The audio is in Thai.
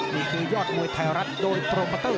นี่คือยอดมวยไทยรัฐโดยโปรโมเตอร์